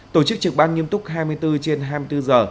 tổ chức trực ban nghiêm túc hai mươi bốn trên hai mươi bốn giờ